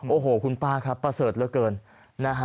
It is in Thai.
โอ้โหคุณป้าครับป้าเสิร์ฟเยอะเกิน